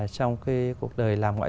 trong cái cuộc đời